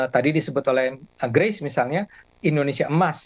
tadi disebut oleh grace misalnya indonesia emas